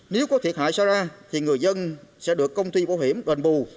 nếu có thiệt hại xảy ra thì người dân sẽ được công ty bảo hiểm đoàn bù